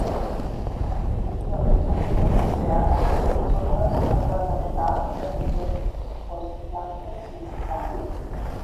Die innere Struktur des Berges wird besonders an seiner stark erodierten Ostflanke sichtbar.